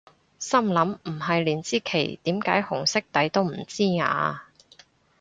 心諗唔係連支旗點解紅色底都唔知咓？